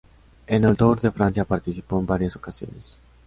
En el Tour de Francia participó en varias ocasiones.